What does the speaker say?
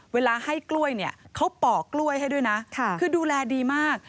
เวลาให้กล้วยเนี่ยเขาปอกกล้วยให้ด้วยนะคือดูแลดีมาก